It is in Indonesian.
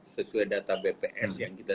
sesuai data bps yang kita